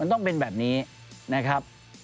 ต้องเป็นแบบนี้นะครับ